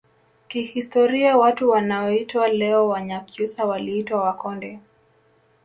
Kihistoria watu wanaoitwa leo Wanyakyusa waliitwa Wakonde